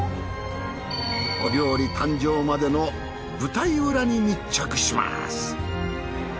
お料理誕生までの舞台裏に密着します。